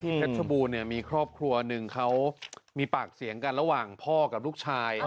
เพชรบูรณ์มีครอบครัวหนึ่งเขามีปากเสียงกันระหว่างพ่อกับลูกชาย